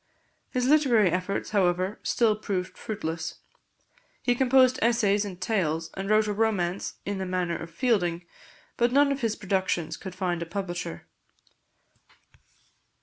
His literary efforts, however, still proved fruitless. He composed essays and tales, and wrote a romance in the manner of Fielding, but none of his productions could find a publisher.